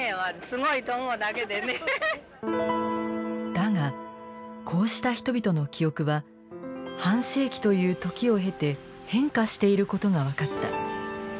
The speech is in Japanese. だがこうした人々の記憶は半世紀という時を経て変化していることが分かった。